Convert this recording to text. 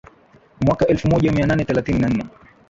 mwaka elfu moja mia nane thelathini na nne